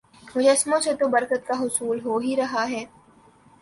مجسموں سے تو برکت کا حصول ہو ہی رہا ہے